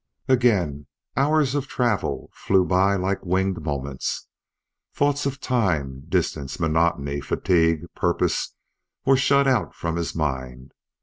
Again hours of travel flew by like winged moments. Thoughts of time, distance, monotony, fatigue, purpose, were shut out from his mind.